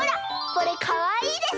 これかわいいでしょ？